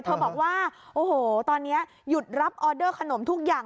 บอกว่าโอ้โหตอนนี้หยุดรับออเดอร์ขนมทุกอย่าง